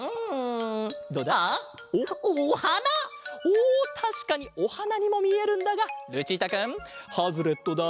おおたしかにおはなにもみえるんだがルチータくんハズレットだ！